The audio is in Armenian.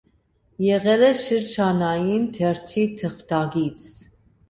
Եղել է շրջանային թերթի թղթակից։